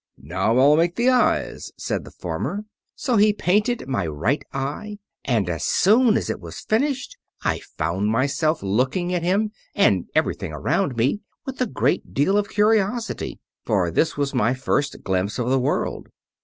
"'Now I'll make the eyes,'" said the farmer. So he painted my right eye, and as soon as it was finished I found myself looking at him and at everything around me with a great deal of curiosity, for this was my first glimpse of the world.